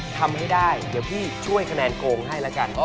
ทำให้ได้เดี๋ยวพี่ช่วยคะแนนโกงให้แล้วกัน